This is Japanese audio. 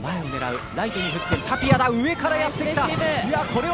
サイドに振ってタピアが上からやってきた。